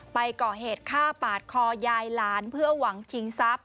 ไปก่อเหตุฆ่าปาดคอยายหลานเพื่อหวังชิงทรัพย